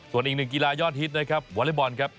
ส่วนอีกหนึ่งกีฬายอดฮิตนะครับวอเล็กบอลครับ